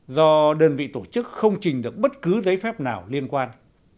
do đơn vị tổ chức không trình được bất cứ giấy phép nào liên quan